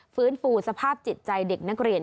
ฟื้นฟูสภาพจิตใจเด็กนักเรียน